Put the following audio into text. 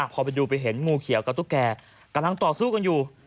พอไปดูไปเห็นงูเขียวกับตุ๊กแก่กำลังต่อสู้กันอยู่